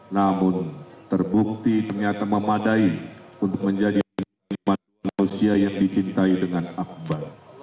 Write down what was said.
namun terbukti ternyata memadai untuk menjadi manusia yang dicintai dengan akbar